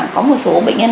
có một số bệnh nhân